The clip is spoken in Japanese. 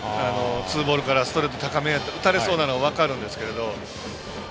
ツーボールからストレート高め打たれそうなのが分かりますけど。